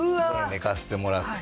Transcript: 寝かせてもらって。